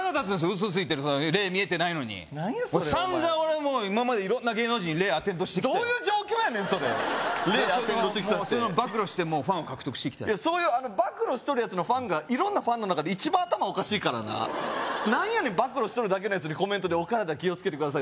嘘ついてるの霊見えてないのに散々俺今まで色んな芸能人に霊アテンドしてきたよどういう状況やねんそれ霊アテンドしてきたってそういうの暴露してファンを獲得していきたい暴露しとるやつのファンが色んなファンのなかで一番頭おかしいからな暴露しとるだけのやつにコメントで「お体気をつけてください」